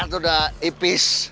itu sudah ipis